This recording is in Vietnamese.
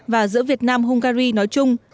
và giữa việt nam hungary nói chung